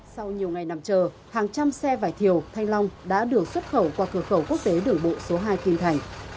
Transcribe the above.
sau nhiều ngày nằm chờ hàng trăm xe vải thiều thanh long đã được xuất khẩu qua cửa khẩu quốc tế đường bộ số hai kim thành